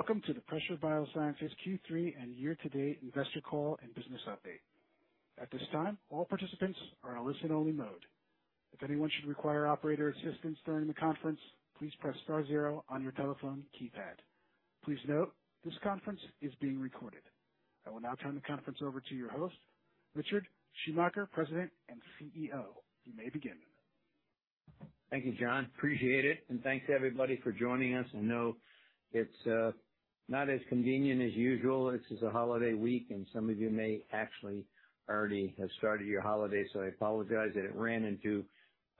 Welcome to the Pressure BioSciences Q3 and year-to-date investor call and business update. At this time, all participants are in a listen-only mode. If anyone should require operator assistance during the conference, please press star zero on your telephone keypad. Please note, this conference is being recorded. I will now turn the conference over to your host, Richard Schumacher, President and CEO. You may begin. Thank you, John. Appreciate it, and thanks to everybody for joining us. I know it's not as convenient as usual. This is a holiday week, and some of you may actually already have started your holiday, so I apologize that it ran into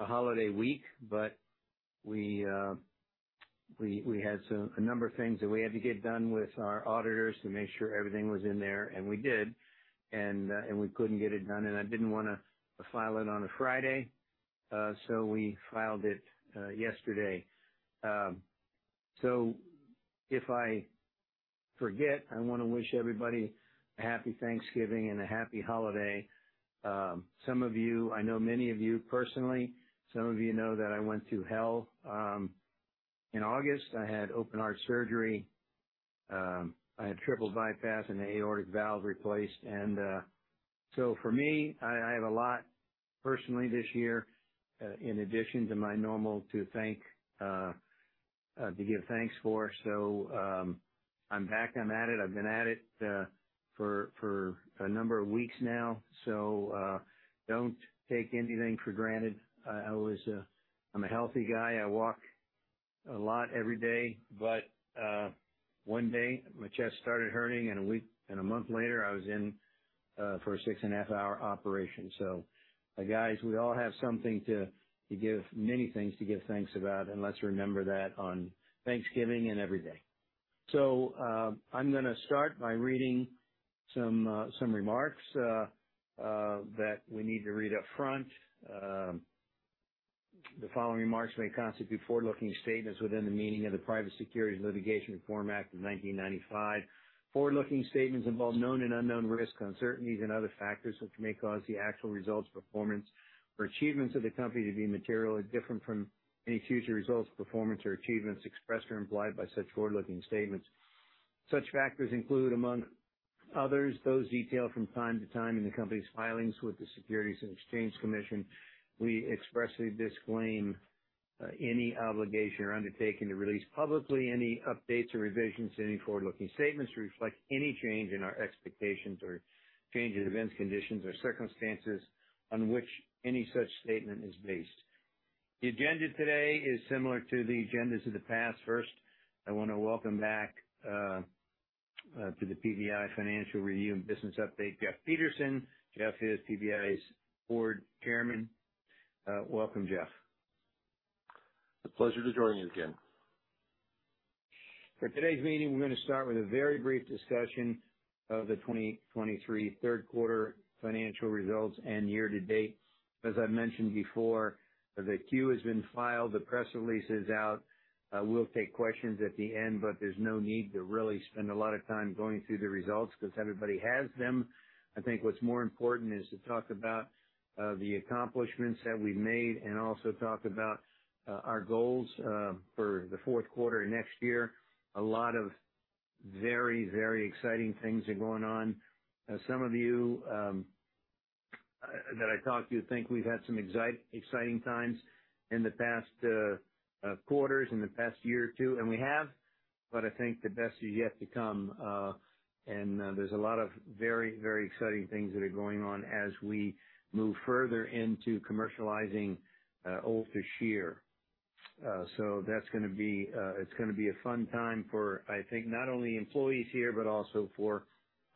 a holiday week, but we had some. A number of things that we had to get done with our auditors to make sure everything was in there, and we did. And we couldn't get it done, and I didn't wanna file it on a Friday, so we filed it yesterday. So if I forget, I wanna wish everybody a happy Thanksgiving and a happy holiday. Some of you, I know many of you personally. Some of that I went through hell in August. I had open heart surgery. I had triple bypass and an aortic valve replaced, and so for me, I have a lot personally this year in addition to my normal to thank, to give thanks for. So, I'm back. I'm at it. I've been at it for a number of weeks now, so don't take anything for granted. I always... I'm a healthy guy. I walk a lot every day, but one day, my chest started hurting, and a week and a month later, I was in for a 6.5-hour operation. So, guys, we all have something to give, many things to give thanks about, and let's remember that on Thanksgiving and every day. So, I'm gonna start by reading some remarks that we need to read up front. The following remarks may constitute forward-looking statements within the meaning of the Private Securities Litigation Reform Act of 1995. Forward-looking statements involve known and unknown risks, uncertainties, and other factors, which may cause the actual results, performance, or achievements of the company to be materially different from any future results, performance, or achievements expressed or implied by such forward-looking statements. Such factors include, among others, those detailed from time to time in the company's filings with the Securities and Exchange Commission. We expressly disclaim any obligation or undertaking to release publicly any updates or revisions to any forward-looking statements to reflect any change in our expectations or changes in events, conditions, or circumstances on which any such statement is based. The agenda today is similar to the agendas of the past. First, I wanna welcome back to the PBI Financial Review and Business Update, Jeff Peterson. Jeff is PBI's board chairman. Welcome, Jeff. A pleasure to join you again. For today's meeting, we're gonna start with a very brief discussion of the 2023 Q3 financial results and year to date. As I mentioned before, the Q has been filed, the press release is out. We'll take questions at the end, but there's no need to really spend a lot of time going through the results because everybody has them. I think what's more important is to talk about the accomplishments that we've made and also talk about our goals for the Q4 and next year. A lot of very, very exciting things are going on. Some of you that I talk to think we've had some exciting times in the past quarters, in the past year or two, and we have, but I think the best is yet to come. And there's a lot of very, very exciting things that are going on as we move further into commercializing UltraShear. So that's gonna be, it's gonna be a fun time for, I think, not only employees here, but also for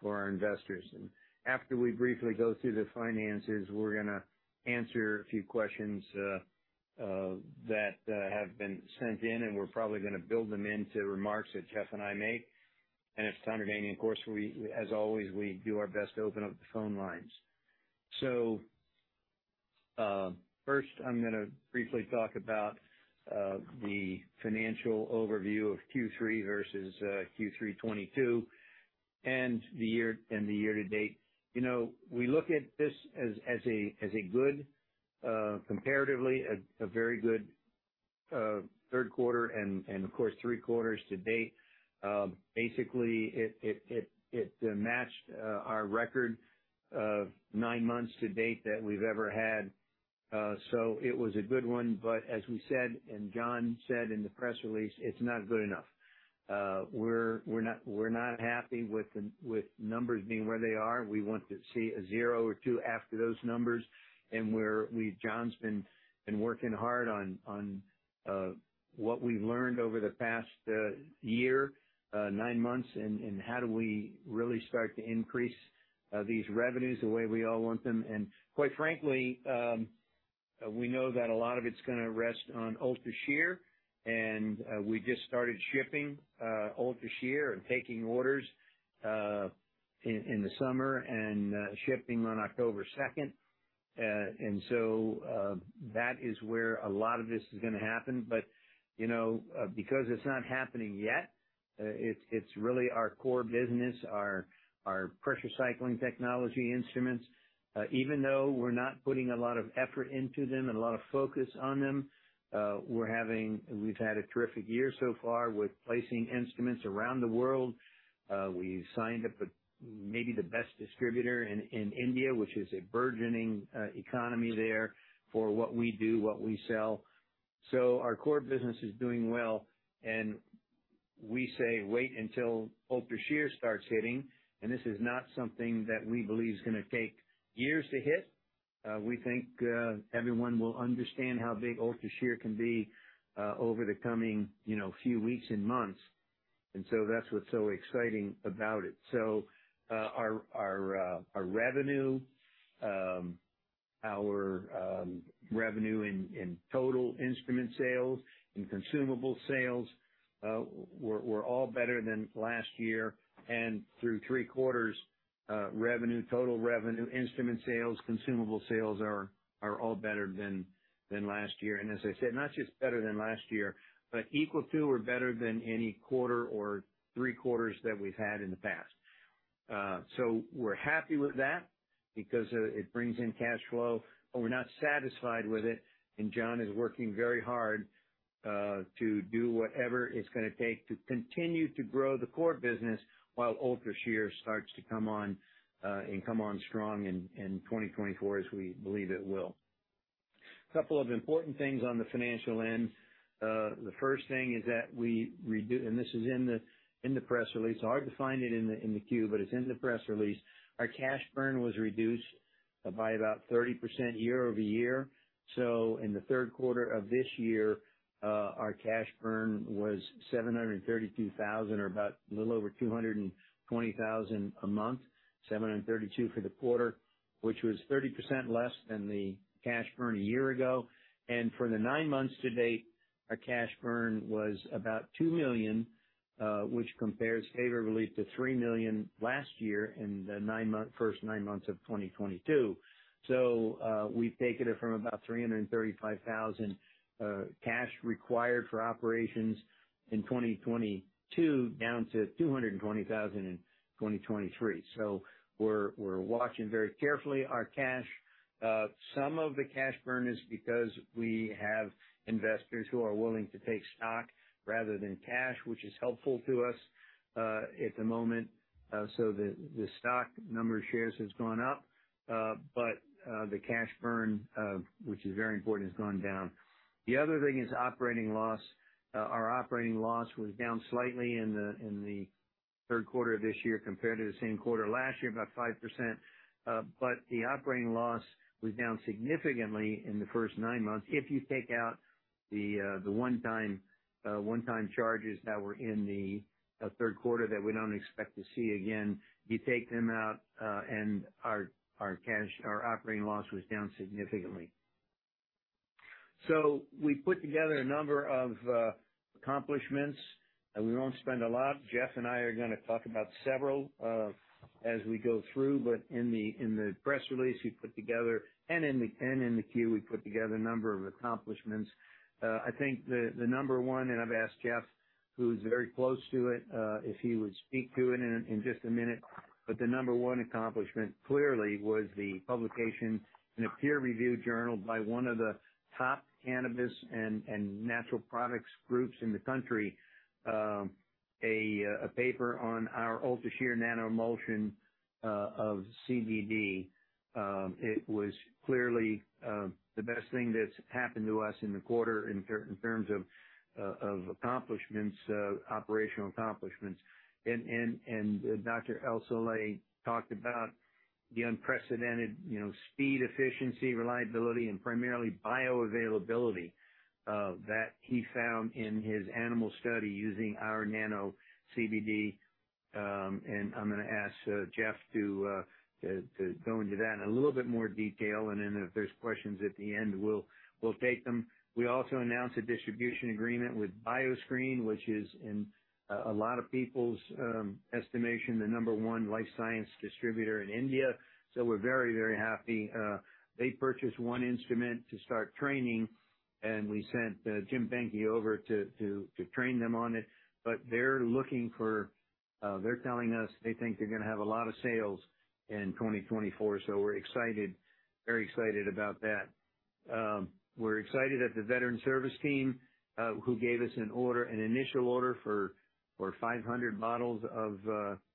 our investors. After we briefly go through the finances, we're gonna answer a few questions that have been sent in, and we're probably gonna build them into remarks that Jeff and I make. And if time permitting, of course, as always, we do our best to open up the phone lines. So first, I'm gonna briefly talk about the financial overview of Q3 versus Q3 2022 and the year, and the year to date we look at this as a good, comparatively, a very good Q3 and, of course, Q3 to date. Basically, it matched our record of nine months to date that we've ever had. So it was a good one, but as we said, and John said in the press release, it's not good enough. We're not happy with the numbers being where they are. We want to see a zero or two after those numbers, and we're—John's been working hard on what we've learned over the past year, nine months, and how do we really start to increase these revenues the way we all want them? Quite frankly, we know that a lot of it's gonna rest on UltraShear, and we just started shipping UltraShear and taking orders in the summer and shipping on October 2. That is where a lot of this is going to happen. because it's not happening yet, it's really our core business, our Pressure Cycling Technology instruments. Even though we're not putting a lot of effort into them and a lot of focus on them, we're having, we've had a terrific year so far with placing instruments around the world. We signed up with maybe the best distributor in India, which is a burgeoning economy there for what we do, what we sell. So our core business is doing well, and we say wait until UltraShear starts hitting, and this is not something that we believe is going to take years to hit. We think everyone will understand how big UltraShear can be over the coming few weeks and months, and so that's what's so exciting about it. So, our revenue in total instrument sales and consumable sales were all better than last year. And through Q3, revenue, total revenue, instrument sales, consumable sales are all better than last year. And as I said, not just better than last year, but equal to or better than any quarter or Q3 that we've had in the past. So we're happy with that because, it brings in cash flow, but we're not satisfied with it, and John is working very hard, to do whatever it's gonna take to continue to grow the core business while UltraShear starts to come on, and come on strong in 2024, as we believe it will. A couple of important things on the financial end. The first thing is that we reduced—and this is in the press release. Hard to find it in the Q, but it's in the press release. Our cash burn was reduced by about 30% year-over-year. So in the Q3 of this year, our cash burn was $732,000, or about a little over $220,000 a month, $732,000 for the quarter, which was 30% less than the cash burn a year ago. For the nine months to date, our cash burn was about $2 million, which compares favorably to $3 million last year in the first nine months of 2022. So, we've taken it from about $335,000 cash required for operations in 2022, down to $220,000 in 2023. So we're watching very carefully our cash. Some of the cash burn is because we have investors who are willing to take stock rather than cash, which is helpful to us at the moment. So the stock number of shares has gone up, but the cash burn, which is very important, has gone down. The other thing is operating loss. Our operating loss was down slightly in the Q3 of this year compared to the same quarter last year, about 5%. But the operating loss was down significantly in the first nine months. If you take out the one-time charges that were in the Q3 that we don't expect to see again, you take them out, and our operating loss was down significantly. So we put together a number of accomplishments, and we won't spend a lot. Jeff and I are going to talk about several as we go through, but in the press release, we put together, and in the Q&A, we put together a number of accomplishments. I think the number one, and I've asked Jeff, who's very close to it, if he would speak to it in just a minute, but the number one accomplishment clearly was the publication in a peer-reviewed journal by one of the top cannabis and natural products groups in the country, a paper on our UltraShear nanoemulsion of CBD. It was clearly the best thing that's happened to us in the quarter in terms of accomplishments, operational accomplishments. And Dr. ElSohly talked about the unprecedented speed, efficiency, reliability, and primarily bioavailability that he found in his animal study using our nano CBD. And I'm gonna ask Jeff to go into that in a little bit more detail, and then if there's questions at the end, we'll take them. We also announced a distribution agreement with Bioscreen, which is in a lot of people's estimation, the number one life science distributor in India. So we're very, very happy. They purchased one instrument to start training, and we sent Jim Banky over to train them on it. But they're looking for... They're telling us they think they're gonna have a lot of sales in 2024, so we're excited, very excited about that. We're excited that the Veterans Service Team, who gave us an order, an initial order for 500 bottles of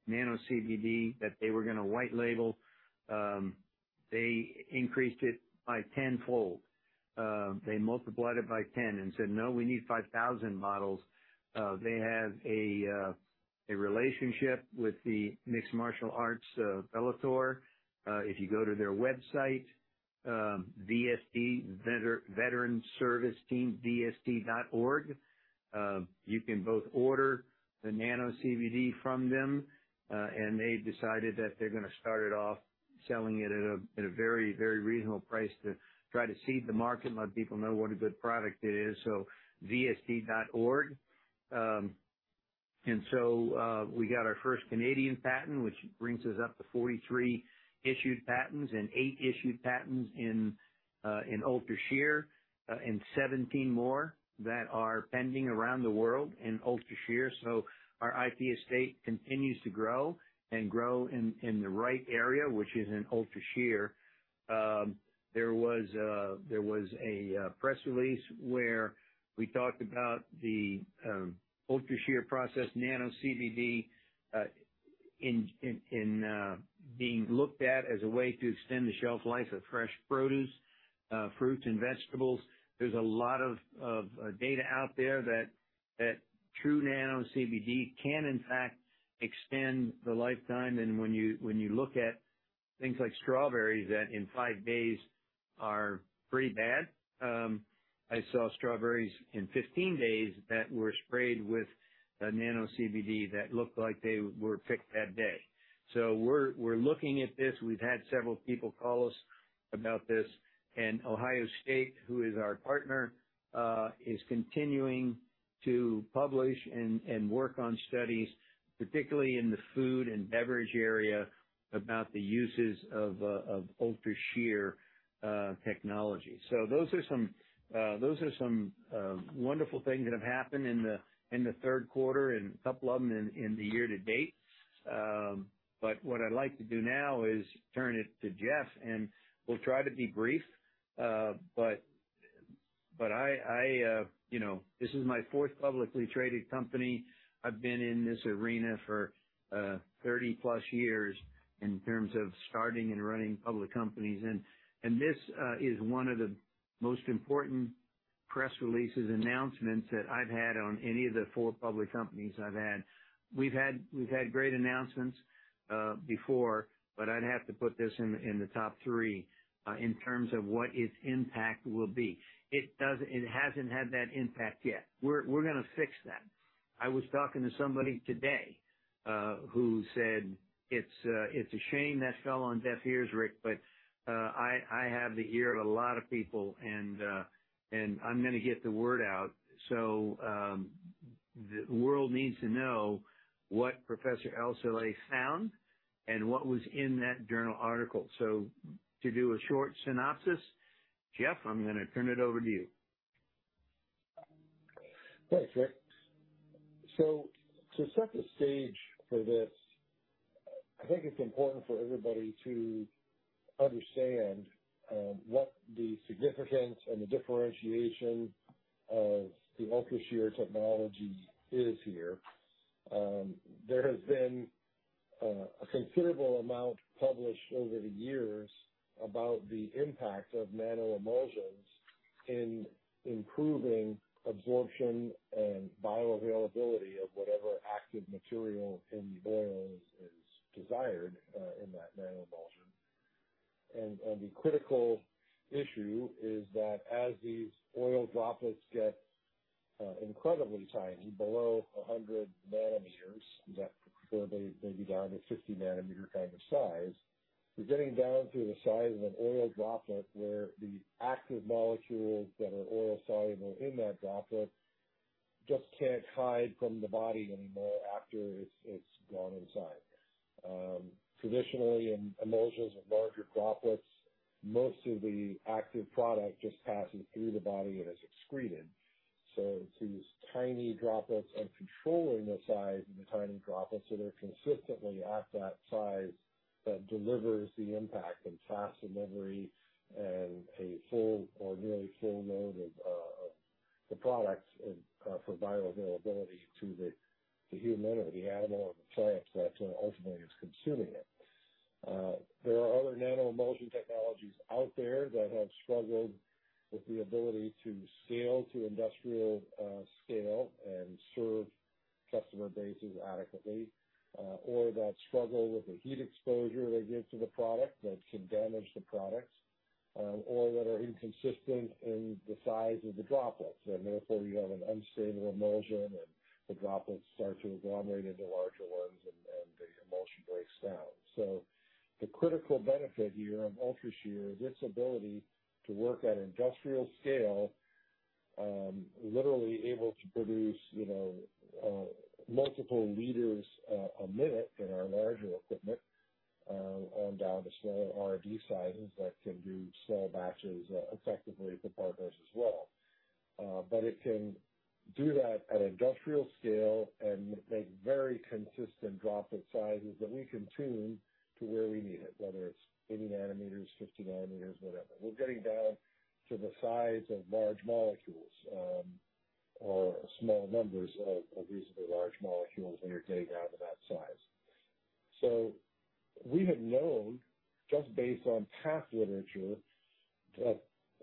nano CBD that they were gonna white label, they increased it by tenfold. They multiplied it by 10 and said, "No, we need 5,000 bottles." They have a relationship with the mixed martial arts Bellator. If you go to their website, VST, Veterans Service Team, vst.org, you can both order the nano CBD from them, and they've decided that they're gonna start it off selling it at a very reasonable price to try to seed the market and let people know what a good product it is. So vst.org... We got our first Canadian patent, which brings us up to 43 issued patents and 8 issued patents in UltraShear, and 17 more that are pending around the world in UltraShear. Our IP estate continues to grow and grow in the right area, which is in UltraShear. There was a press release where we talked about the UltraShear process, nano CBD being looked at as a way to extend the shelf life of fresh produce, fruits and vegetables. There's a lot of data out there that true nano CBD can, in fact, extend the lifetime. And when you look at things like strawberries, that in 5 days are pretty bad, I saw strawberries in 15 days that were sprayed with a nano CBD that looked like they were picked that day. So we're looking at this. We've had several people call us about this, and Ohio State, who is our partner, is continuing to publish and work on studies, particularly in the food and beverage area, about the uses of UltraShear technology. So those are some wonderful things that have happened in the Q3 and a couple of them in the year to date. But what I'd like to do now is turn it to Jeff, and we'll try to be brief. But, but I this is my fourth publicly traded company. I've been in this arena for, 30+ years in terms of starting and running public companies, and, and this, is one of the most important press releases, announcements that I've had on any of the four public companies I've had. We've had, we've had great announcements, before, but I'd have to put this in, in the top three, in terms of what its impact will be. It does. It hasn't had that impact yet. We're, we're gonna fix that. I was talking to somebody today, who said, "It's, it's a shame that fell on deaf ears, Rick," but, I, I have the ear of a lot of people, and, and I'm gonna get the word out. The world needs to know what Professor ElSohly found and what was in that journal article. To do a short synopsis, Jeff, I'm gonna turn it over to you. Thanks, Rick. So to set the stage for this, I think it's important for everybody to understand what the significance and the differentiation of the UltraShear technology is here. There has been a considerable amount published over the years about the impact of nanoemulsions in improving absorption and bioavailability of whatever active material in the oil is desired in that nanoemulsion. The critical issue is that as these oil droplets get incredibly tiny, below 100 nanometers, that they be down to 50-nanometer kind of size, we're getting down to the size of an oil droplet, where the active molecules that are oil soluble in that droplet just can't hide from the body anymore after it's gone inside. Traditionally, in emulsions with larger droplets, most of the active product just passes through the body and is excreted. So to use tiny droplets and controlling the size of the tiny droplets, so they're consistently at that size, that delivers the impact and fast delivery and a full or nearly full load of the products and for bioavailability to the human or the animal or the plant that ultimately is consuming it. There are other nano emulsion technologies out there that have struggled with the ability to scale to industrial scale and serve customer bases adequately or that struggle with the heat exposure they give to the product, that can damage the products or that are inconsistent in the size of the droplets, and therefore, you have an unstable emulsion, and the droplets start to agglomerate into larger ones, and the emulsion breaks down. So the critical benefit here of UltraShear is its ability to work at industrial scale, literally able to produce multiple liters a minute in our larger equipment, on down to smaller R&D sizes that can do small batches effectively for partners as well. But it can do that at industrial scale and make very consistent droplet sizes that we can tune to where we need it, whether it's 80 nanometers, 50 nanometers, whatever. We're getting down to the size of large molecules, or small numbers of reasonably large molecules when you're getting down to that size. So we had known, just based on past literature, that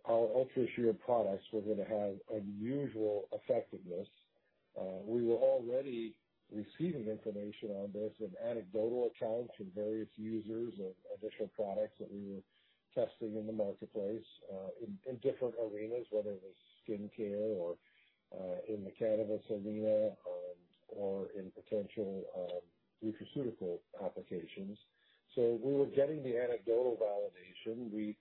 our UltraShear products were gonna have unusual effectiveness. We were already receiving information on this and anecdotal accounts from various users of additional products that we were testing in the marketplace, in different arenas, whether it was skincare or in the cannabis arena, or in potential nutraceutical applications. So we were getting the anecdotal validation. We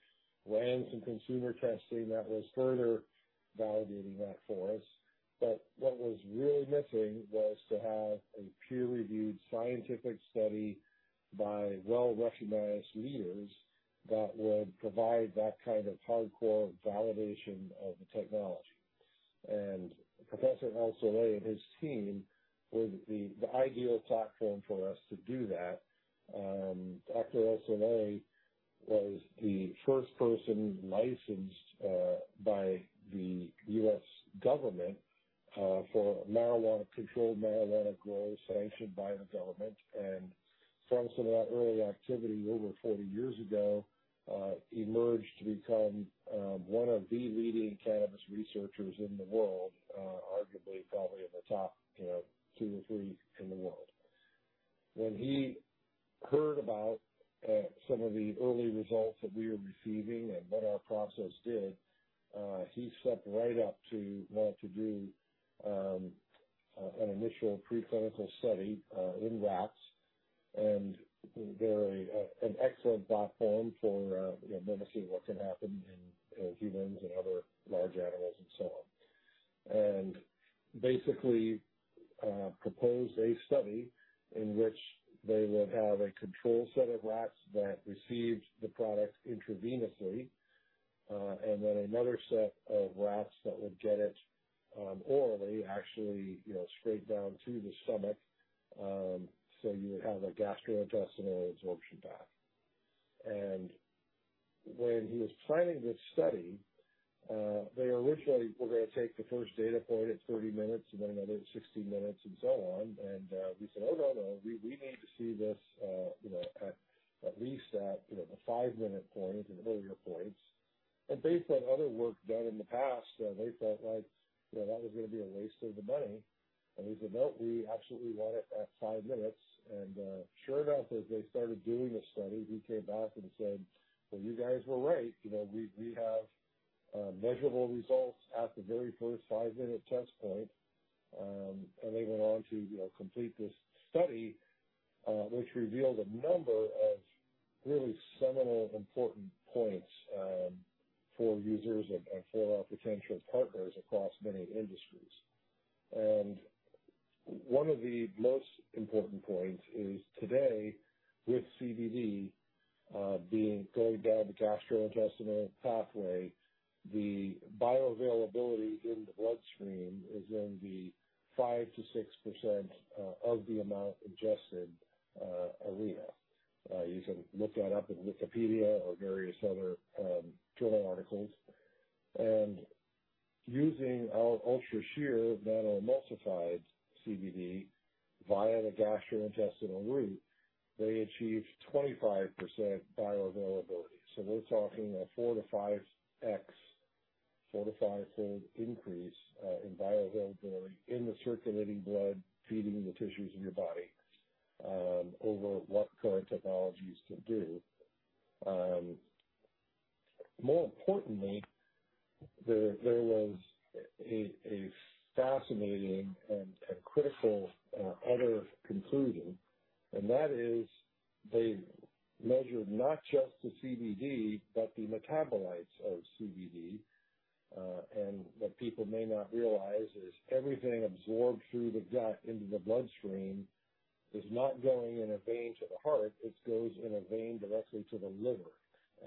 ran some consumer testing that was further validating that for us. But what was really missing was to have a peer-reviewed scientific study by well-recognized leaders that would provide that kind of hardcore validation of the technology. And Professor ElSohly and his team was the ideal platform for us to do that. Dr. ElSohly was the first person licensed by the U.S. government for marijuana, controlled marijuana growth sanctioned by the government. From some of that early activity over 40 years ago, emerged to become one of the leading cannabis researchers in the world, arguably probably in the top two or three in the world. When he heard about some of the early results that we were receiving and what our process did, he stepped right up to want to do an initial preclinical study in rats, and very an excellent platform for mimicking what can happen in humans and other large animals and so on. And basically proposed a study in which they would have a control set of rats that received the product intravenously, and then another set of rats that would get it orally, actually straight down to the stomach. So you would have a gastrointestinal absorption path. When he was planning this study, they originally were going to take the first data point at 30 minutes and then another at 60 minutes and so on, and we said, "Oh, no, no, we need to see this at least at the 5-minute point and earlier points." Based on other work done in the past, they felt like that was gonna be a waste of the money. We said, "No, we absolutely want it at 5 minutes." Sure enough, as they started doing the study, he came back and said, "Well, you guys were right. We have measurable results at the very first 5-minute test point. They went on to complete this study, which revealed a number of really seminal important points for users and for our potential partners across many industries. One of the most important points is, today, with CBD being going down the gastrointestinal pathway, the bioavailability in the bloodstream is in the 5%-6% of the amount ingested orally. You can look that up in Wikipedia or various other journal articles. Using our UltraShear nano-emulsified CBD via the gastrointestinal route, they achieved 25% bioavailability. So we're talking a 4-5x, 4-5-fold increase in bioavailability in the circulating blood, feeding the tissues in your body over what current technologies can do. More importantly, there was a fascinating and critical other conclusion, and that is they measured not just the CBD, but the metabolites of CBD. And what people may not realize is everything absorbed through the gut into the bloodstream is not going in a vein to the heart, it goes in a vein directly to the liver,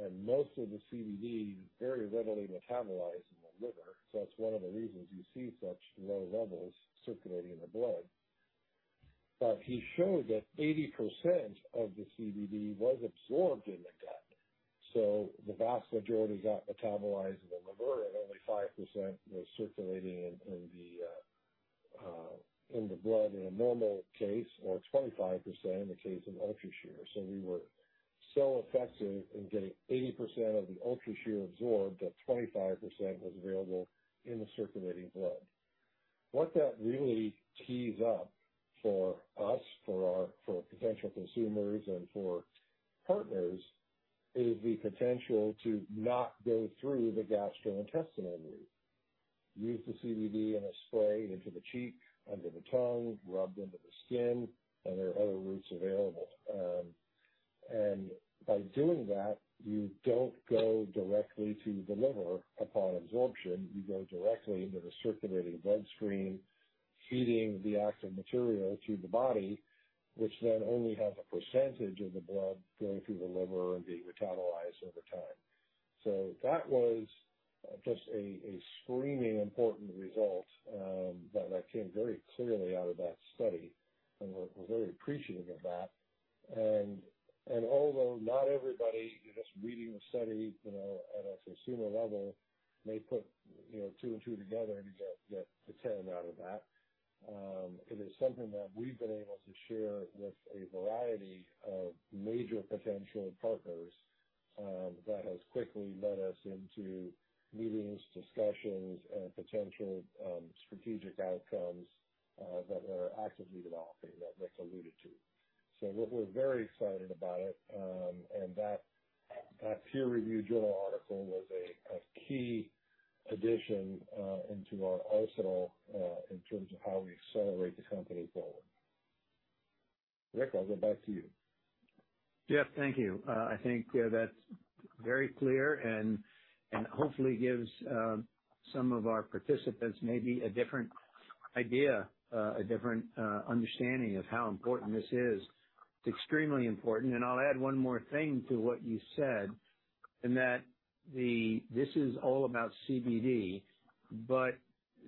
and most of the CBD very readily metabolizes in the liver. So that's one of the reasons you see such low levels circulating in the blood. But he showed that 80% of the CBD was absorbed in the gut, so the vast majority got metabolized in the liver, and only 5% was circulating in the blood in a normal case, or 25% in the case of UltraShear. So we were so effective in getting 80% of the UltraShear absorbed, that 25% was available in the circulating blood. What that really tees up for us, for our—for potential consumers and for partners, is the potential to not go through the gastrointestinal route. Use the CBD in a spray into the cheek, under the tongue, rubbed into the skin, and there are other routes available. And by doing that, you don't go directly to the liver upon absorption. You go directly into the circulating bloodstream, feeding the active material to the body, which then only has a percentage of the blood going through the liver and being metabolized over time. So that was just a screaming important result, that came very clearly out of that study, and we're very appreciative of that. Although not everybody just reading the study at a consumer level, may put two and two together to get to 10 out of that, it is something that we've been able to share with a variety of major potential partners that has quickly led us into meetings, discussions, and potential strategic outcomes that Rick alluded to. So we're very excited about it, and that-... That peer-reviewed journal article was a key addition into our arsenal in terms of how we accelerate the company forward. Rick, I'll go back to you. Jeff, thank you. I think that's very clear and hopefully gives some of our participants maybe a different idea, a different understanding of how important this is. It's extremely important, and I'll add one more thing to what you said, in that this is all about CBD, but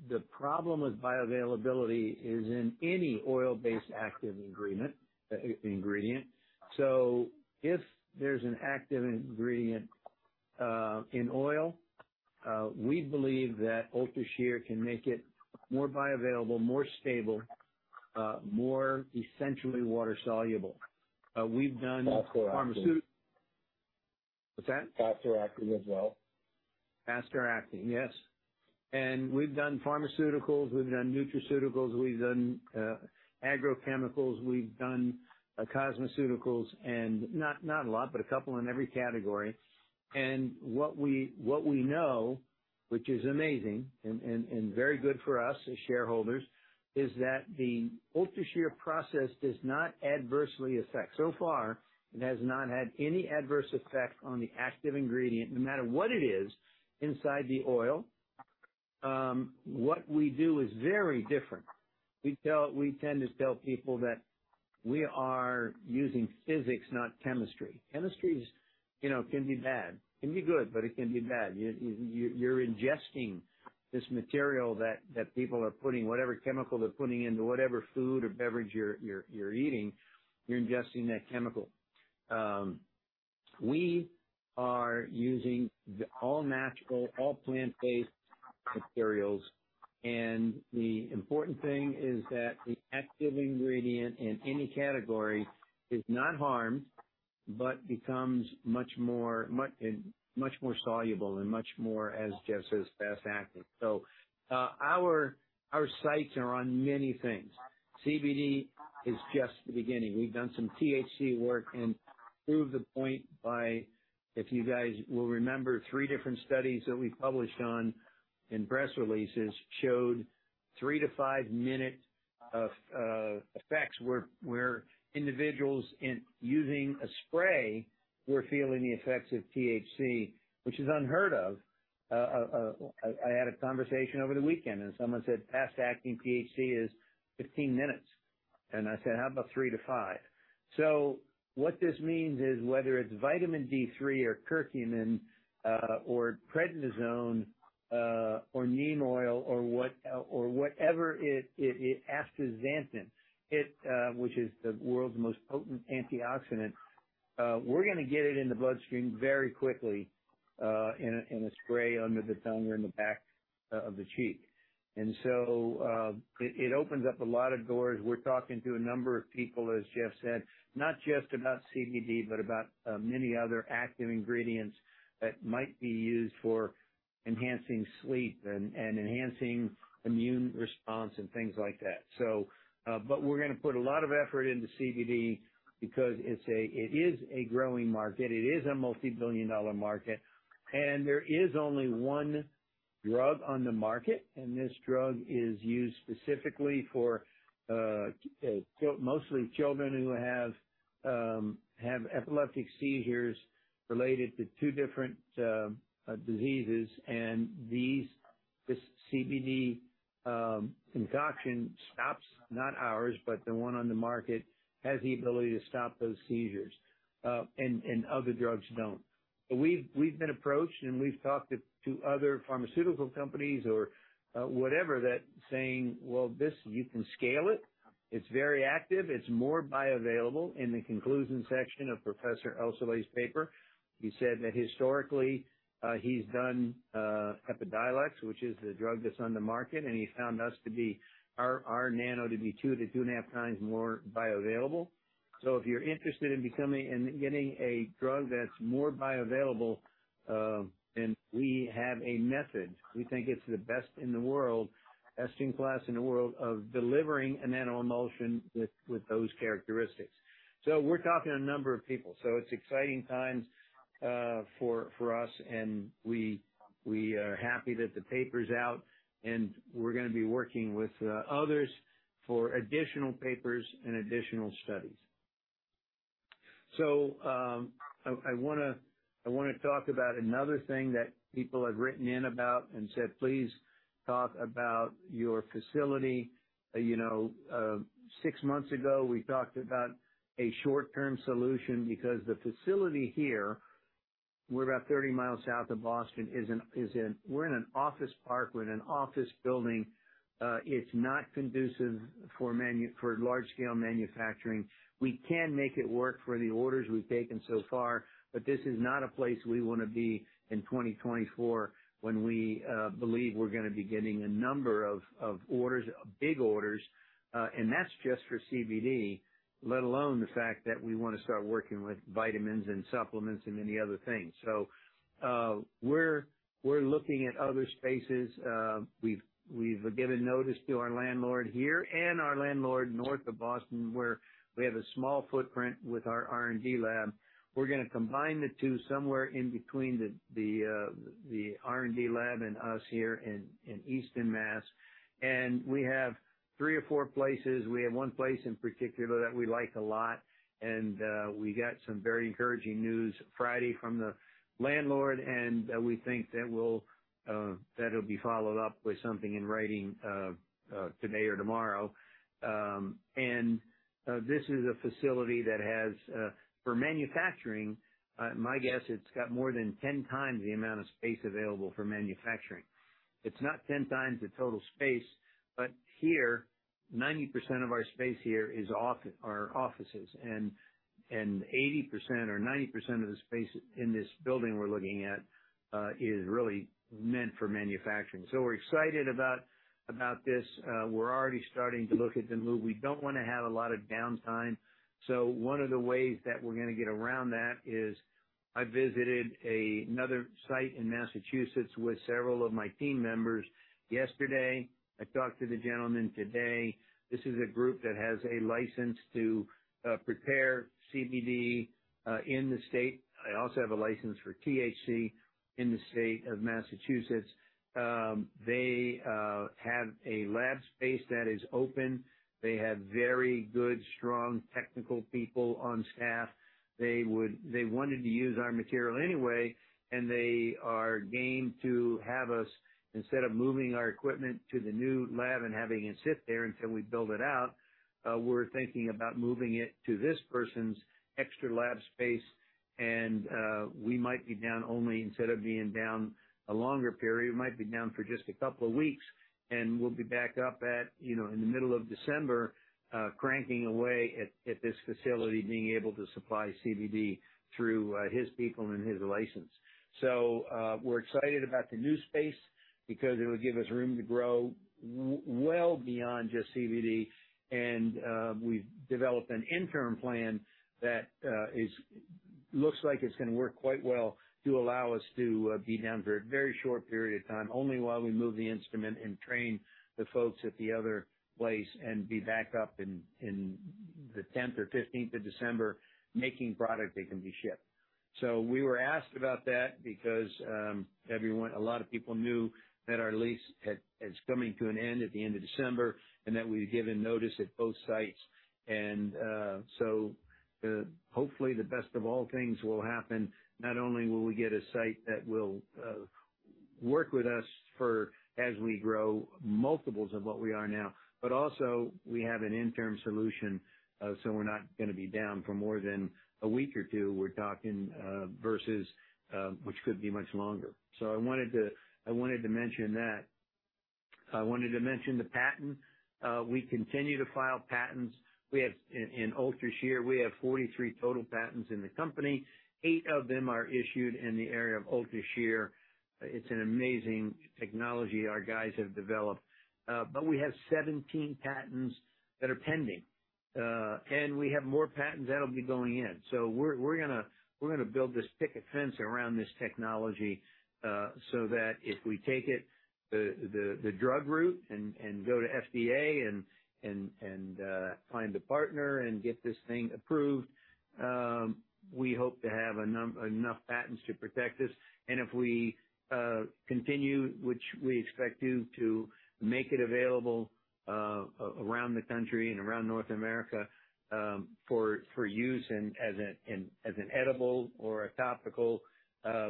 the problem with bioavailability is in any oil-based active ingredient. So if there's an active ingredient in oil, we believe that UltraShear can make it more bioavailable, more stable, more essentially water soluble. We've done pharmaceut- Fast-acting. What's that? Fast-acting as well. Fast-acting, yes. We've done pharmaceuticals, we've done nutraceuticals, we've done agrochemicals, we've done cosmeceuticals, and not a lot, but a couple in every category. What we know, which is amazing and very good for us as shareholders, is that the UltraShear process does not adversely affect... So far, it has not had any adverse effect on the active ingredient, no matter what it is, inside the oil. What we do is very different. We tend to tell people that we are using physics, not chemistry. Chemistry is can be bad, can be good, but it can be bad. You're ingesting this material that people are putting whatever chemical they're putting into whatever food or beverage you're eating, you're ingesting that chemical. We are using the all-natural, all plant-based materials, and the important thing is that the active ingredient in any category is not harmed, but becomes much more soluble and much more, as Jeff says, fast-acting. So, our sights are on many things. CBD is just the beginning. We've done some THC work and proved the point by, if you guys will remember, 3 different studies that we published on in press releases, showed 3- to 5-minute effects where individuals using a spray were feeling the effects of THC, which is unheard of. I had a conversation over the weekend, and someone said, "Fast-acting THC is 15 minutes." And I said, "How about 3-5?" So what this means is, whether it's vitamin D3 or curcumin, or prednisone, or neem oil, or what, or whatever astaxanthin, which is the world's most potent antioxidant, we're gonna get it in the bloodstream very quickly, in a spray under the tongue or in the back of the cheek. And so, it opens up a lot of doors. We're talking to a number of people, as Jeff said, not just about CBD, but about many other active ingredients that might be used for enhancing sleep and enhancing immune response and things like that. So, but we're gonna put a lot of effort into CBD because it's a growing market. It is a multibillion-dollar market, and there is only one drug on the market, and this drug is used specifically for mostly children who have epileptic seizures related to two different diseases. And this CBD concoction, not ours, but the one on the market, has the ability to stop those seizures, and other drugs don't. But we've been approached, and we've talked to other pharmaceutical companies or whatever that saying, "Well, this, you can scale it. It's very active. It's more bioavailable." In the conclusion section of Professor ElSohly's paper, he said that historically, he's done Epidiolex, which is the drug that's on the market, and he found us to be... our nano to be 2 to 2.5 times more bioavailable. So if you're interested in becoming and getting a drug that's more bioavailable, and we have a method, we think it's the best in the world, best-in-class in the world, of delivering a nanoemulsion with those characteristics. So we're talking to a number of people, so it's exciting times for us, and we are happy that the paper's out, and we're gonna be working with others for additional papers and additional studies. So I wanna talk about another thing that people have written in about and said: Please talk about your facility. six months ago, we talked about a short-term solution because the facility here, we're about 30 miles south of Boston, is in. We're in an office park. We're in an office building. It's not conducive for large-scale manufacturing. We can make it work for the orders we've taken so far, but this is not a place we wanna be in 2024, when we believe we're gonna be getting a number of orders, big orders. That's just for CBD, let alone the fact that we wanna start working with vitamins and supplements and many other things. So, we're looking at other spaces. We've given notice to our landlord here and our landlord north of Boston, where we have a small footprint with our R&D lab. We're gonna combine the two, somewhere in between the R&D lab and us here in Easton, Massachusetts. We have three or four places. We have one place in particular that we like a lot, and we got some very encouraging news Friday from the landlord, and we think that will, that'll be followed up with something in writing, today or tomorrow. This is a facility that has, for manufacturing, my guess, it's got more than 10 times the amount of space available for manufacturing. It's not 10 times the total space, but here, 90% of our space here is offices. And 80% or 90% of the space in this building we're looking at is really meant for manufacturing. So we're excited about this. We're already starting to look at the move. We don't wanna have a lot of downtime. So one of the ways that we're gonna get around that is I visited another site in Massachusetts with several of my team members yesterday. I talked to the gentleman today. This is a group that has a license to prepare CBD in the state. They also have a license for THC in the state of Massachusetts. They have a lab space that is open. They have very good, strong technical people on staff. They wanted to use our material anyway, and they are game to have us, instead of moving our equipment to the new lab and having it sit there until we build it out, we're thinking about moving it to this person's extra lab space, and, we might be down only instead of being down a longer period, we might be down for just a couple of weeks, and we'll be back up at in the middle of December, cranking away at this facility, being able to supply CBD through his people and his license. So, we're excited about the new space because it would give us room to grow well beyond just CBD. We've developed an interim plan that looks like it's gonna work quite well to allow us to be down for a very short period of time, only while we move the instrument and train the folks at the other place and be back up in the tenth or fifteenth of December, making product that can be shipped. So we were asked about that because a lot of people knew that our lease is coming to an end at the end of December, and that we've given notice at both sites. So, hopefully, the best of all things will happen. Not only will we get a site that will work with us for as we grow multiples of what we are now, but also we have an interim solution, so we're not gonna be down for more than a week or two. We're talking versus, which could be much longer. So I wanted to, I wanted to mention that. I wanted to mention the patent. We continue to file patents. We have in, in UltraShear, we have 43 total patents in the company. 8 of them are issued in the area of UltraShear. It's an amazing technology our guys have developed. But we have 17 patents that are pending, and we have more patents that'll be going in. So we're gonna build this picket fence around this technology, so that if we take it the drug route and go to FDA and find a partner and get this thing approved, we hope to have enough patents to protect us. And if we continue, which we expect to, to make it available around the country and around North America, for use in as an edible or a topical,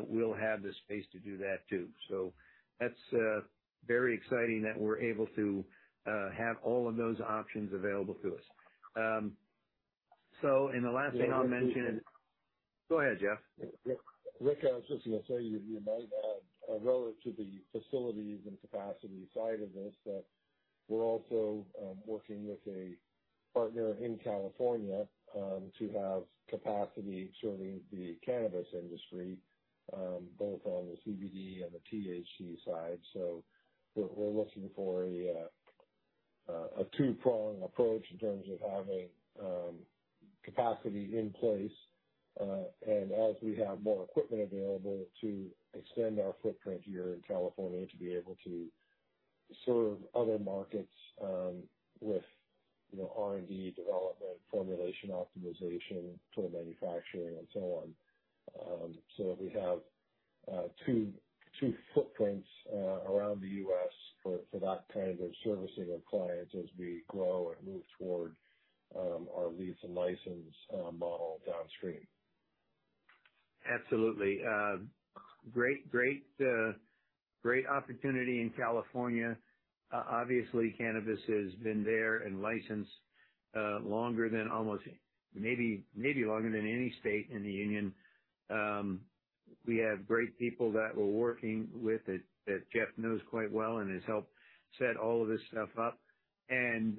we'll have the space to do that, too. So that's very exciting that we're able to have all of those options available to us. So and the last thing I'll mention... Go ahead, Jeff. Rick, I was just gonna say that you might add, relative to the facilities and capacity side of this, that we're also working with a partner in California to have capacity serving the cannabis industry, both on the CBD and the THC side. So we're looking for a two-prong approach in terms of having capacity in place. And as we have more equipment available to extend our footprint here in California, to be able to serve other markets with R&D, development, formulation, optimization for manufacturing and so on. So that we have two footprints around the U.S. for that kind of servicing of clients as we grow and move toward our lease and license model downstream. Absolutely. Great, great, great opportunity in California. Obviously, cannabis has been there and licensed longer than almost maybe, maybe longer than any state in the union. We have great people that we're working with that Jeff knows quite well and has helped set all of this stuff up. And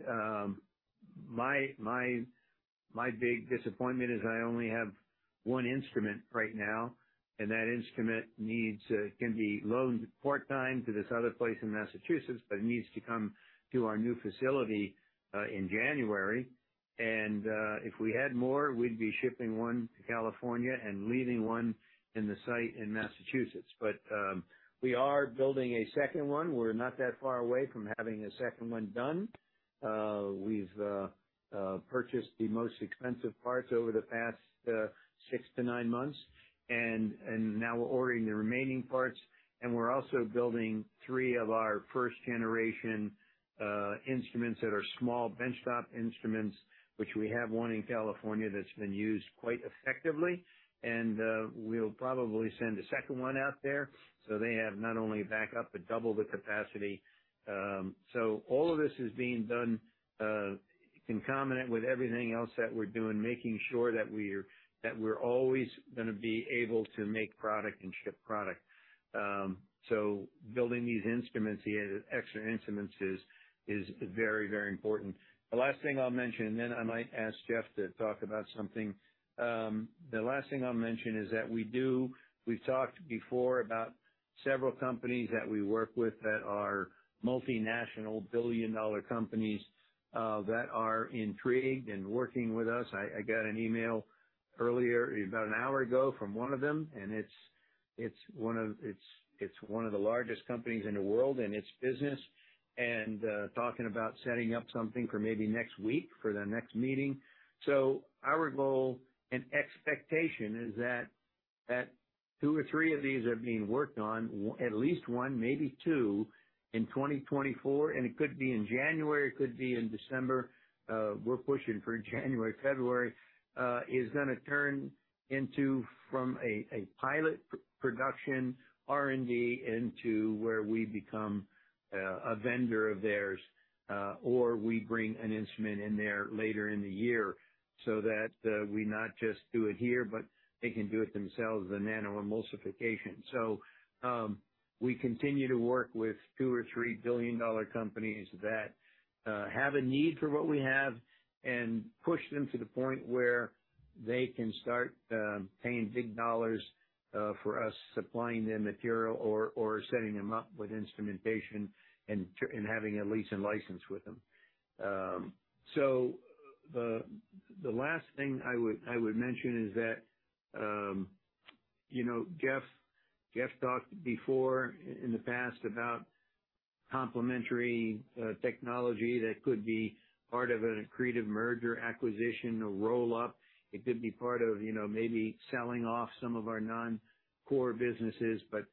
my big disappointment is I only have one instrument right now, and that instrument needs can be loaned part-time to this other place in Massachusetts, but it needs to come to our new facility in January. And if we had more, we'd be shipping one to California and leaving one in the site in Massachusetts. But we are building a second one. We're not that far away from having a second one done. We've purchased the most expensive parts over the past 6-9 months, and now we're ordering the remaining parts. We're also building 3 of our first-generation instruments that are small benchtop instruments, which we have 1 in California that's been used quite effectively, and we'll probably send a second one out there, so they have not only backup, but double the capacity. So all of this is being done concomitant with everything else that we're doing, making sure that we're always gonna be able to make product and ship product. So building these instruments, the extra instruments, is very, very important. The last thing I'll mention, and then I might ask Jeff to talk about something. The last thing I'll mention is that we've talked before about several companies that we work with that are multinational, billion-dollar companies, that are intrigued in working with us. I got an email earlier, about an hour ago, from one of them, and it's one of the largest companies in the world in its business, and talking about setting up something for maybe next week for their next meeting. So our goal and expectation is that two or three of these are being worked on, at least one, maybe two, in 2024, and it could be in January, it could be in December. We're pushing for January, February, is gonna turn into from a pilot production R&D into where we become a vendor of theirs, or we bring an instrument in there later in the year, so that we not just do it here, but they can do it themselves, the nanoemulsification. So, we continue to work with two or three billion-dollar companies that have a need for what we have and push them to the point where they can start paying big dollars for us supplying them material or setting them up with instrumentation and having a lease and license with them. So the last thing I would mention is that Jeff talked before in the past about complementary technology that could be part of an accretive merger acquisition, a roll-up. It could be part of maybe selling off some of our non-core businesses. But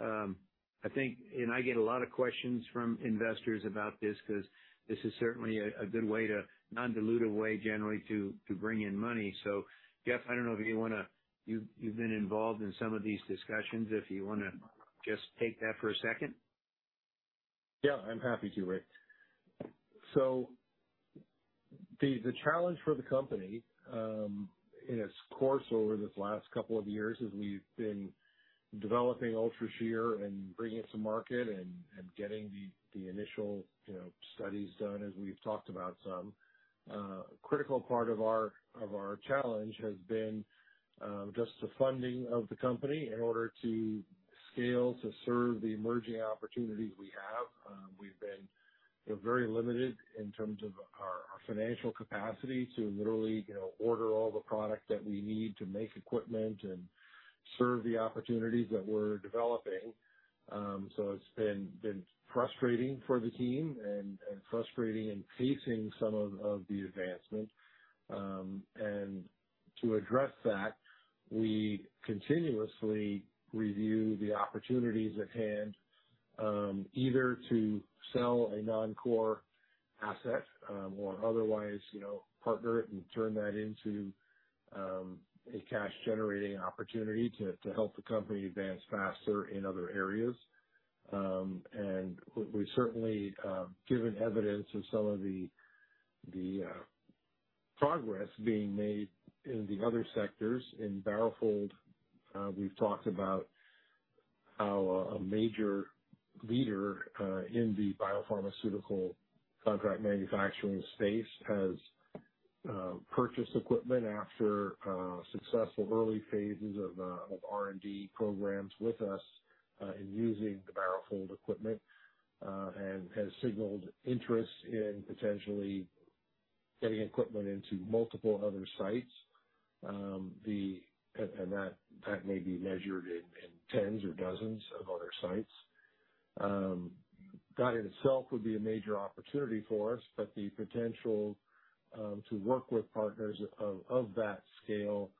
I think... And I get a lot of questions from investors about this, 'cause this is certainly a good way to, non-dilutive way generally, to bring in money. So, Jeff, I don't know if you wanna... You've been involved in some of these discussions. If you wanna just take that for a second? Yeah, I'm happy to, Rick. So the challenge for the company, in its course over this last couple of years, as we've been developing UltraShear and bringing it to market and getting the initial studies done, as we've talked about some, a critical part of our challenge has been just the funding of the company in order to scale to serve the emerging opportunities we have. We've been very limited in terms of our financial capacity to literally order all the product that we need to make equipment and serve the opportunities that we're developing. So it's been frustrating for the team and frustrating in pacing some of the advancements. To address that, we continuously review the opportunities at hand, either to sell a non-core asset, or otherwise partner it and turn that into a cash-generating opportunity to help the company advance faster in other areas. We've certainly given evidence of some of the progress being made in the other sectors. In BaroFold, we've talked about how a major leader in the biopharmaceutical contract manufacturing space has purchased equipment after successful early phases of R&D programs with us in using the BaroFold equipment, and has signaled interest in potentially getting equipment into multiple other sites. And that may be measured in tens or dozens of other sites. That in itself would be a major opportunity for us, but the potential to work with partners of that scale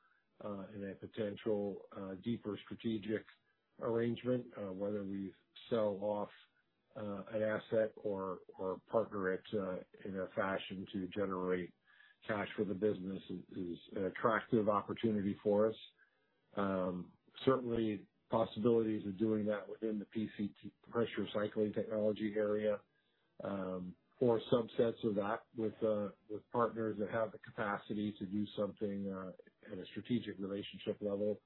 in a potential deeper strategic arrangement, whether we sell off an asset or partner it in a fashion to generate cash for the business is an attractive opportunity for us. Certainly possibilities of doing that within the PCT, Pressure Cycling Technology area or subsets of that with partners that have the capacity to do something at a strategic relationship level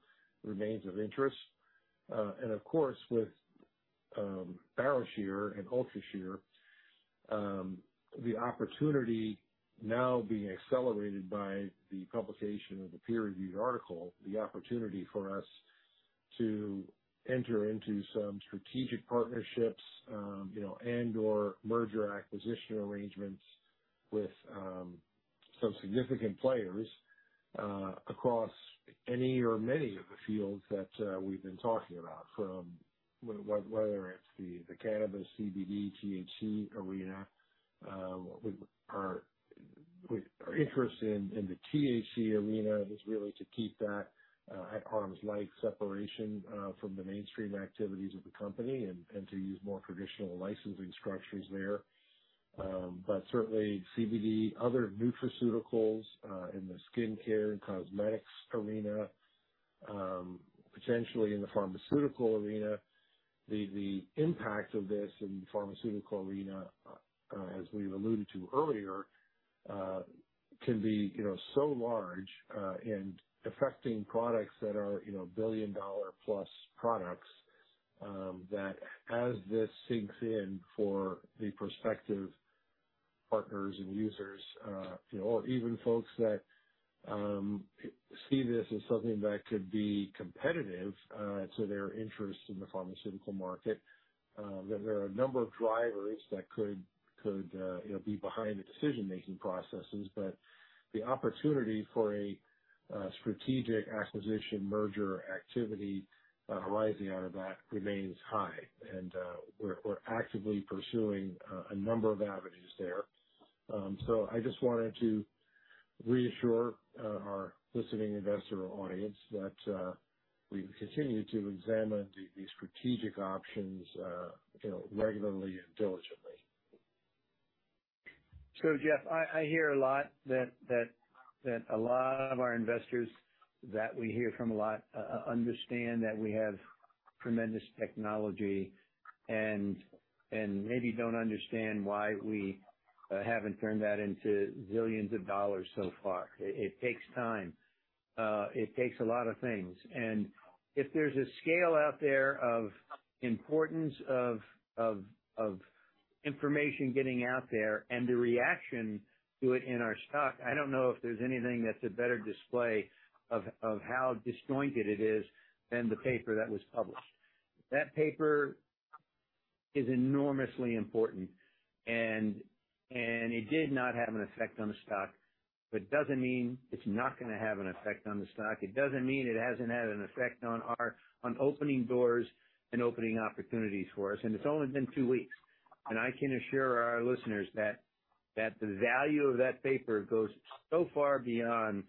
remains of interest. And of course, with BaroFold and UltraShear, the opportunity now being accelerated by the publication of the peer-reviewed article, the opportunity for us-... to enter into some strategic partnerships and/or merger acquisition arrangements with some significant players across any or many of the fields that we've been talking about, from whether it's the cannabis, CBD, THC arena. Our interest in the THC arena is really to keep that at arm's length separation from the mainstream activities of the company and to use more traditional licensing structures there. But certainly CBD, other nutraceuticals in the skincare and cosmetics arena, potentially in the pharmaceutical arena. The impact of this in the pharmaceutical arena, as we've alluded to earlier, can be so large, in affecting products that are billion-dollar plus products, that as this sinks in for the prospective partners and users or even folks that see this as something that could be competitive, to their interest in the pharmaceutical market, there are a number of drivers that could be behind the decision-making processes. But the opportunity for a strategic acquisition, merger activity, arising out of that remains high, and we're actively pursuing a number of avenues there. So I just wanted to reassure our listening investor audience that we continue to examine the strategic options regularly and diligently. So, Jeff, I hear a lot that a lot of our investors that we hear from a lot understand that we have tremendous technology and maybe don't understand why we haven't turned that into zillions of dollars so far. It takes time. It takes a lot of things, and if there's a scale out there of importance of information getting out there and the reaction to it in our stock, I don't know if there's anything that's a better display of how disjointed it is than the paper that was published. That paper is enormously important, and it did not have an effect on the stock, but doesn't mean it's not gonna have an effect on the stock. It doesn't mean it hasn't had an effect on our opening doors and opening opportunities for us, and it's only been 2 weeks. And I can assure our listeners that the value of that paper goes so far beyond...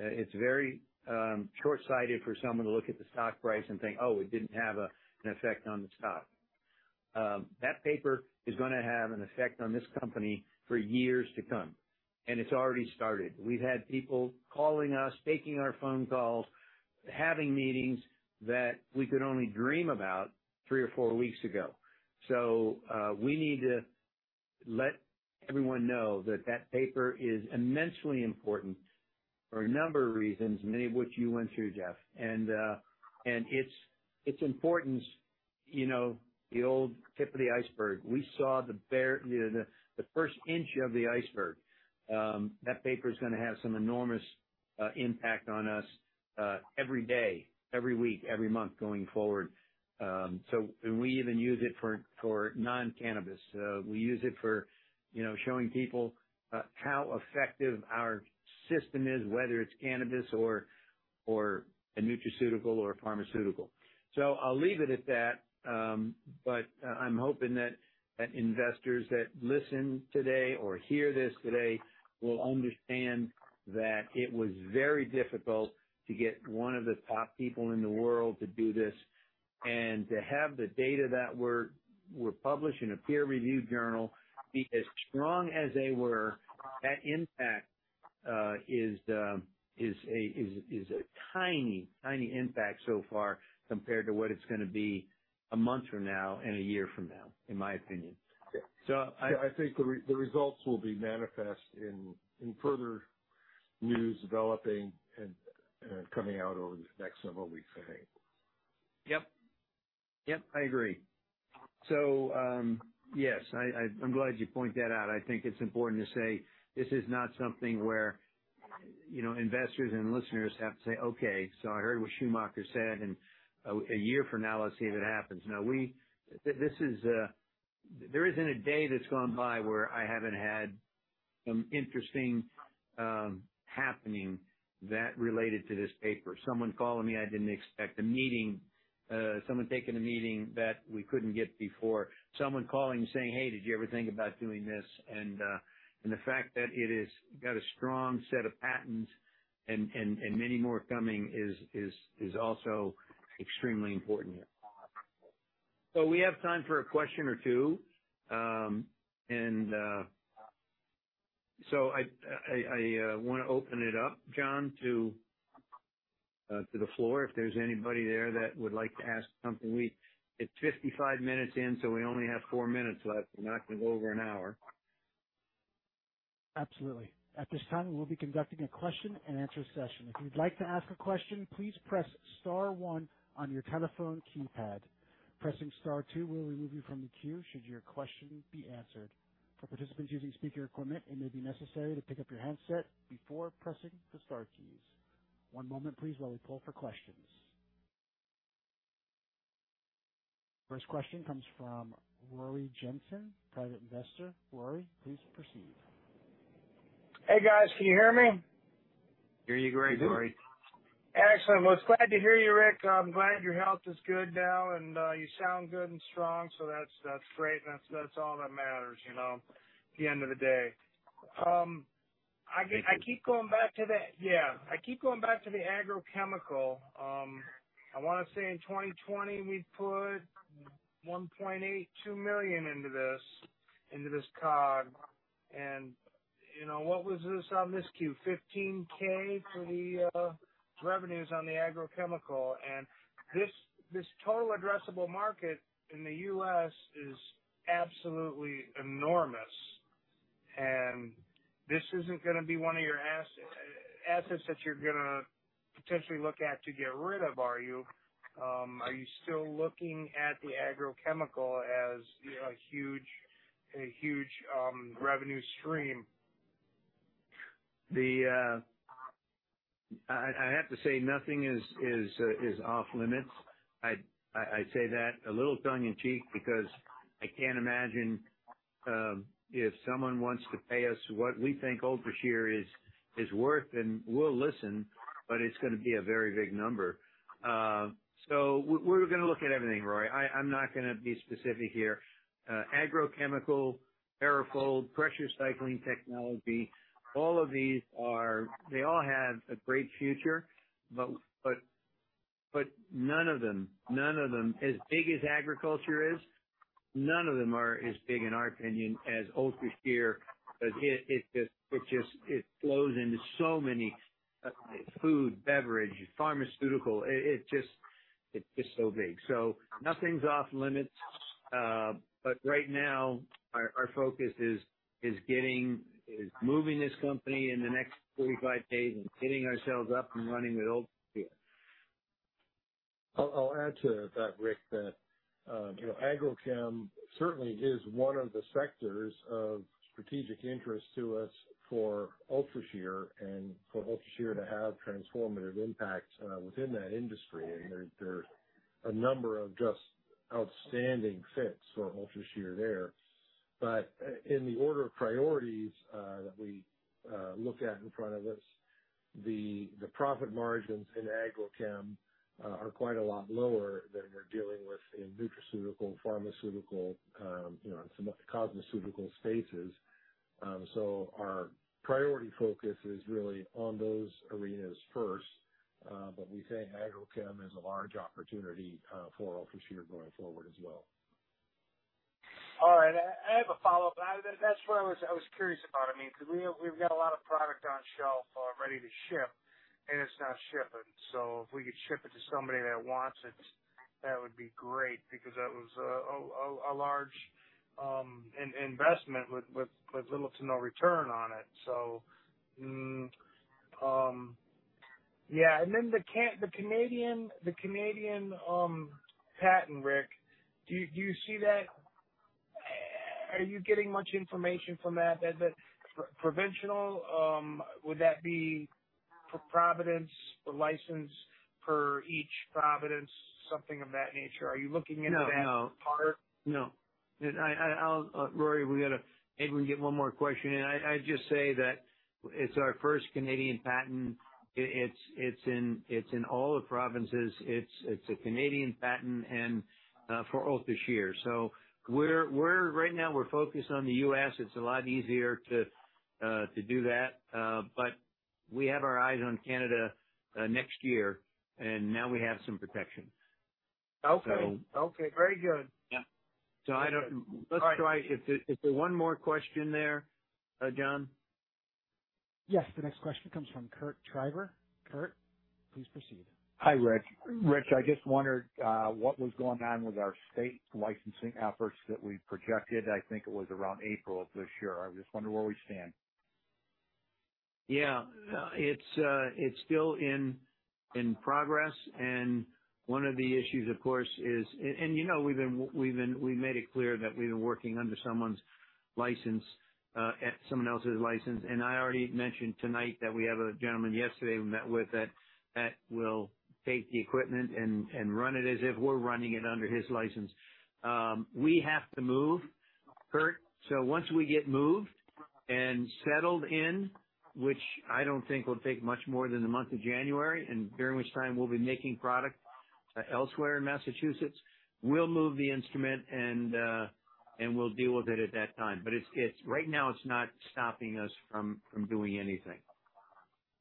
It's very shortsighted for someone to look at the stock price and think, "Oh, it didn't have an effect on the stock." That paper is gonna have an effect on this company for years to come, and it's already started. We've had people calling us, taking our phone calls, having meetings that we could only dream about 3 or 4 weeks ago. So, we need to let everyone know that that paper is immensely important for a number of reasons, many of which you went through, Jeff. And it's important the old tip of the iceberg. We saw the Baro the first inch of the iceberg. That paper's gonna have some enormous impact on us every day, every week, every month going forward. So and we even use it for non-cannabis. We use it for showing people how effective our system is, whether it's cannabis or a nutraceutical or a pharmaceutical. So I'll leave it at that. But I'm hoping that investors that listen today or hear this today will understand that it was very difficult to get one of the top people in the world to do this and to have the data that we're publishing a peer review journal be as strong as they were. That impact is a tiny, tiny impact so far compared to what it's gonna be a month from now and a year from now, in my opinion. So I think the results will be manifest in further news developing and coming out over the next several weeks, I think. Yep. Yep, I agree. So, yes, I'm glad you point that out. I think it's important to say this is not something where investors and listeners have to say, "Okay, so I heard what Schumacher said, and a year from now, let's see if it happens." Now, this is, there isn't a day that's gone by where I haven't had some interesting happening that related to this paper. Someone calling me I didn't expect, a meeting, someone taking a meeting that we couldn't get before. Someone calling saying, "Hey, did you ever think about doing this?" And, and the fact that it is got a strong set of patents and many more coming is also extremely important here. So we have time for a question or two. So, I want to open it up, John, to the floor, if there's anybody there that would like to ask something. It's 55 minutes in, so we only have 4 minutes left. We're not gonna go over an hour. Absolutely. At this time, we'll be conducting a question-and-answer session. If you'd like to ask a question, please press star one on your telephone keypad.... Pressing star two will remove you from the queue, should your question be answered. For participants using speaker equipment, it may be necessary to pick up your handset before pressing the star keys. One moment, please, while we pull for questions. First question comes from Rory Jensen, private investor. Rory, please proceed. Hey, guys, can you hear me? hear you great, Rory. Excellent. Well, glad to hear you, Rick. I'm glad your health is good now, and you sound good and strong, so that's, that's great. And that's, that's all that matters at the end of the day. I keep going back to the agrochemical. I wanna say in 2020, we put $1.82 million into this, into this cog. And what was this on this Q? $15K for the revenues on the agrochemical. And this, this total addressable market in the U.S. is absolutely enormous. And this isn't gonna be one of your assets that you're gonna potentially look at to get rid of, are you? Are you still looking at the agrochemical as a huge, a huge revenue stream? I have to say nothing is off limits. I say that a little tongue in cheek because I can't imagine if someone wants to pay us what we think UltraShear is worth, then we'll listen, but it's gonna be a very big number. So we're gonna look at everything, Rory. I'm not gonna be specific here. Agrochemical, BaroFold, Pressure Cycling Technology, all of these are... They all have a great future, but none of them, as big as agriculture is, none of them are as big, in our opinion, as UltraShear, because it just flows into so many food, beverage, pharmaceutical. It just, it's just so big. So nothing's off limits, but right now our focus is getting... is moving this company in the next 45 days and getting ourselves up and running with UltraShear. I'll add to that, Rick, that agrochem certainly is one of the sectors of strategic interest to us for UltraShear and for UltraShear to have transformative impact within that industry. And there's a number of just outstanding fits for UltraShear there. But in the order of priorities that we look at in front of us, the profit margins in agrochem are quite a lot lower than we're dealing with in nutraceutical, pharmaceutical and some cosmeceutical spaces. So our priority focus is really on those arenas first, but we think agrochem is a large opportunity for UltraShear going forward as well. All right. I have a follow-up. That's what I was curious about. I mean, because we've got a lot of product on shelf ready to ship, and it's not shipping. So if we could ship it to somebody that wants it, that would be great, because that was a large investment with little to no return on it. So, yeah, and then the Canadian patent, Rick, do you see that? Are you getting much information from that provincial? Would that be for province, for license per each province, something of that nature? Are you looking into that part? No. I'll, Rory, we got to maybe get one more question in. I'd just say that it's our first Canadian patent. It's in all the provinces. It's a Canadian patent and for UltraShear. So we're right now focused on the U.S. It's a lot easier to do that, but we have our eyes on Canada next year, and now we have some protection. Okay. So. Okay, very good. Yeah. So I don't- All right. Let's try... If there, if there one more question there, John? Yes. The next question comes from Kurt Treiber. Kurt, please proceed. Hi, Rick. Rick, I just wondered, what was going on with our state licensing efforts that we projected. I think it was around April of this year. I just wonder where we stand. Yeah. It's still in progress. And one of the issues, of course, is... And we've been- we've made it clear that we've been working under someone's license, someone else's license. And I already mentioned tonight that we have a gentleman yesterday we met with that will take the equipment and run it as if we're running it under his license. We have to move, Kurt. So once we get moved and settled in, which I don't think will take much more than the month of January, and during which time we'll be making product elsewhere in Massachusetts, we'll move the instrument, and we'll deal with it at that time. But it's-- right now, it's not stopping us from doing anything.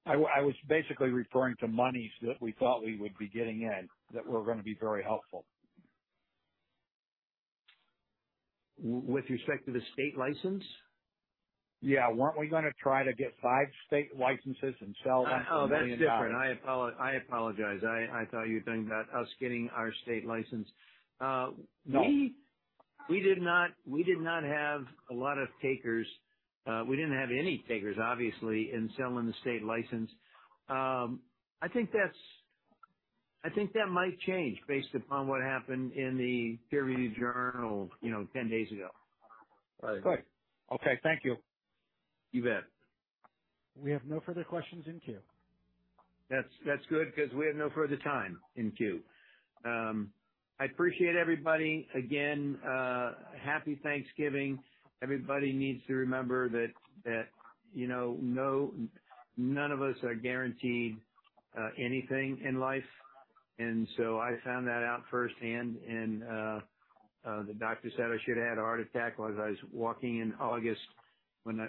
I was basically referring to monies that we thought we would be getting in, that were gonna be very helpful. With respect to the state license? Yeah. Weren't we gonna try to get five state licenses and sell them? Oh, that's different. I apologize. I thought you were talking about us getting our state license. We- No. We did not, we did not have a lot of takers. We didn't have any takers, obviously, in selling the state license. I think that's... I think that might change based upon what happened in the peer review journal 10 days ago. Right. Okay, thank you. You bet. We have no further questions in queue. That's good, because we have no further time in queue. I appreciate everybody. Again, Happy Thanksgiving. Everybody needs to remember that none of us are guaranteed anything in life, and so I found that out firsthand. And the doctor said I should had a heart attack while I was walking in August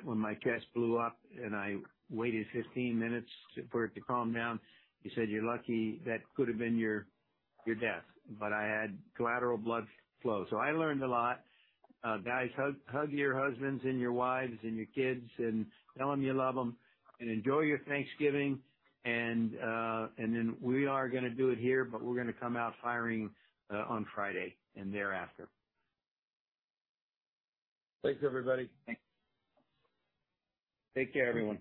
when my chest blew up, and I waited 15 minutes for it to calm down. He said, "You're lucky. That could have been your death." But I had collateral blood flow, so I learned a lot. Guys, hug your husbands and your wives and your kids, and tell them you love them, and enjoy your Thanksgiving. And then we are gonna do it here, but we're gonna come out firing on Friday and thereafter. Thanks, everybody. Thanks. Take care, everyone.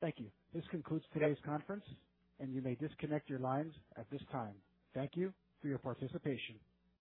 Thank you. This concludes today's conference, and you may disconnect your lines at this time. Thank you for your participation.